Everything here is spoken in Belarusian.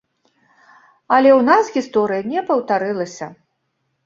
Але ў нас гісторыя не паўтарылася.